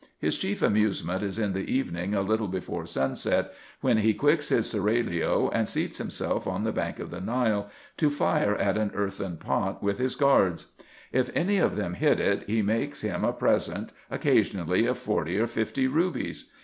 His chief amusement is in the evening a little before sunset, when he quits Iris seraglio, and seats him self on the bank of the Nile, to fire at an earthen pot, with his guards. If any of them hit it, he makes him a present, occasionally of forty or fifty rubies.